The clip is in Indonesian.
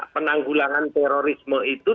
penanggulangan terorisme itu